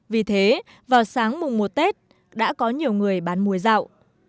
vì thế vào sáng mùng mùa tết đã có nhiều người bán muối rạo